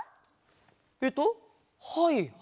えっとはいはい。